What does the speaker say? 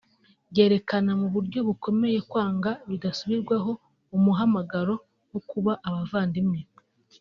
ryerekana mu buryo bukomeye kwanga bidasubirwaho umuhamagaro wo kuba abavandimwe